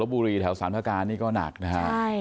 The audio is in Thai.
รบบุรีแถวสรรพาการนี่ก็หนักนะครับ